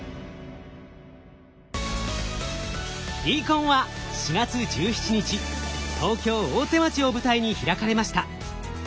ＤＣＯＮは４月１７日東京・大手町を舞台に開かれました。